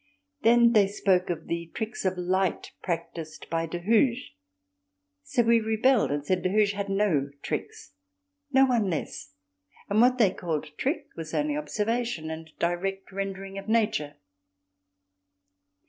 Then they spoke of the tricks of light practised by De Hooghe; so we rebelled, and said De Hooghe had no tricks—no one less—and that what they called trick was only observation and direct rendering of nature.